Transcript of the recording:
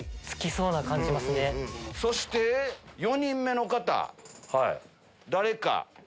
そして４人目の方。